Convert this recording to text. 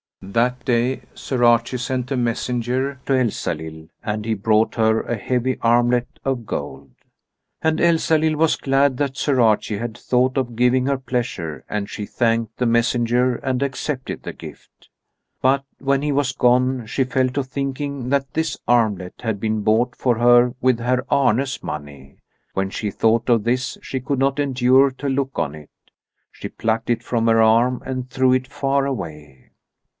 That day Sir Archie sent a messenger to Elsalill, and he brought her a heavy armlet of gold. And Elsalill was glad that Sir Archie had thought of giving her pleasure, and she thanked the messenger and accepted the gift. But when he was gone she fell to thinking that this armlet had been bought for her with Herr Arne's money. When she thought of this she could not endure to look on it. She plucked it from her arm and threw it far away.